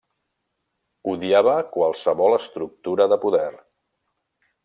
Odiava qualsevol estructura de poder.